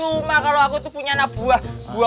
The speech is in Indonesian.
cuma kalau aku tuh punya anak buah